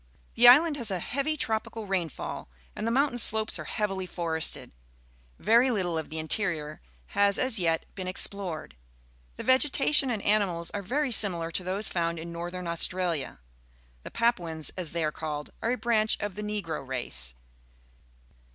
The island has a heavy tropical rainfall, and the mountain slopes are heavily forested. Very Uttle of the interior has as yet been explored. The vegetation and animals are very similar to those found in Northern AustraUa. The Papuans, as they are called, are a branch of the Negro race.